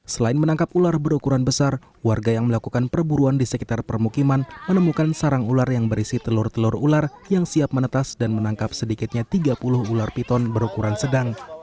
selain menangkap ular berukuran besar warga yang melakukan perburuan di sekitar permukiman menemukan sarang ular yang berisi telur telur ular yang siap menetas dan menangkap sedikitnya tiga puluh ular piton berukuran sedang